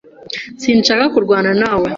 Sinshaka kurwana nawe.